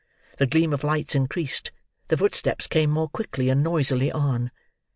The gleam of lights increased; the footsteps came more thickly and noisily on.